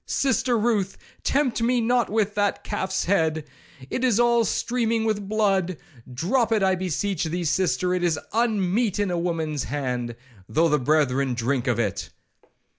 Sister Ruth, tempt me not with that calf's head, it is all streaming with blood;—drop it, I beseech thee, sister, it is unmeet in a woman's hand, though the brethren drink of it.